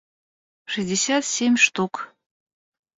шестьдесят семь штук